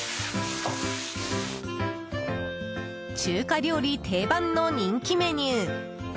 中華料理定番の人気メニュー！